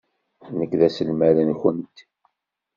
Nekk d aselmad-nwent.